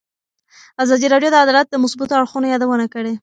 ازادي راډیو د عدالت د مثبتو اړخونو یادونه کړې.